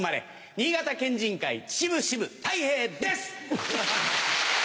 新潟県人会秩父支部たい平です！